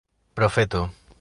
profeto